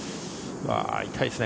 痛いですね